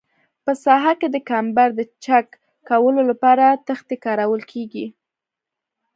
په ساحه کې د کمبر د چک کولو لپاره تختې کارول کیږي